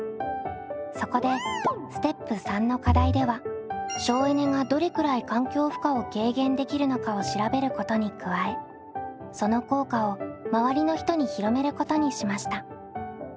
そこでステップ③の課題では省エネがどれくらい環境負荷を軽減できるのかを調べることに加えその効果をまわりの人に広めることにしました。